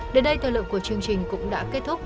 đến đây thời lượng của chương trình cũng đã kết thúc